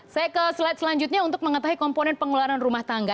saya ke slide selanjutnya untuk mengetahui komponen pengeluaran rumah tangga